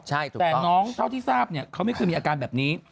แต่น้องเท่าที่ทราบเนี่ยเขาไม่เคยมีอาการแบบนี้